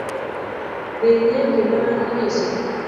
Be ing'eyo gima mano nyiso?